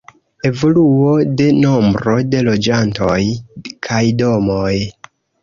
Evoluo de nombro de loĝantoj kaj domoj.